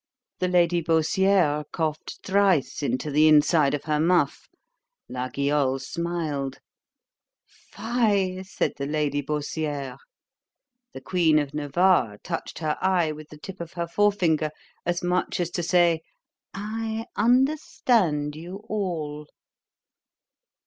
The Lady Baussiere coughed thrice into the inside of her muff—La Guyol smiled—Fy, said the Lady Baussiere. The queen of Navarre touched her eye with the tip of her fore finger—as much as to say, I understand you all.